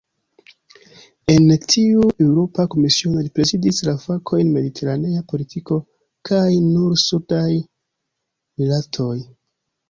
En tiu Eŭropa Komisiono, li prezidis la fakojn "mediteranea politiko kaj nord-sudaj rilatoj".